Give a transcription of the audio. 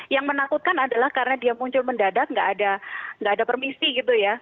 yang menakutkan adalah karena dia muncul mendadak nggak ada permisi gitu ya